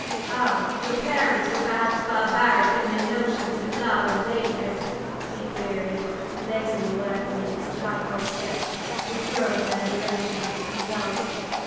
"Ah! Your parents were perhaps barbaric in their notions of love and hatred?" he queried, lazily working at his charcoal sketch with growing admiration for its result.